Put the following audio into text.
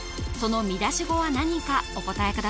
その見出し語は何かお答え